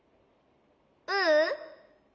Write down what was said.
ううん。